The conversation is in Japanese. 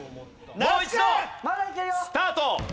もう一度スタート。